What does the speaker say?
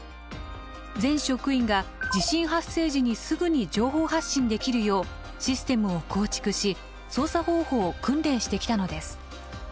全職員が地震発生時にすぐに情報発信できるようシステムを構築し操作方法を訓練してきたのです。